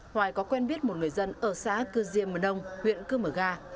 hoài có quen biết một người dân ở xã cư diêm mở nông huyện cư mở ga